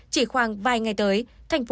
chỉ khoảng vài ngày tới tp hcm có ba